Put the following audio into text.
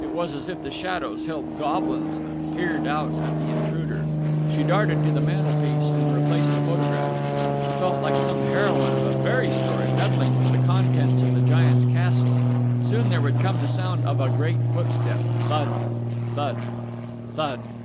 It was as if the shadows held goblins that peered out at the intruder. She darted to the mantelpiece and replaced the photograph. She felt like some heroine of a fairy story meddling with the contents of the giant's castle. Soon there would come the sound of a great footstep thud thud.... _Thud.